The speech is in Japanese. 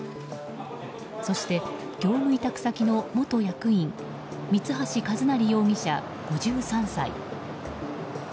そして、業務委託先の元役員三橋一成容疑者、５３歳。